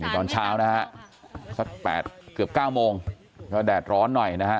ตอนเช้านะฮะสัก๘เกือบ๙โมงก็แดดร้อนหน่อยนะฮะ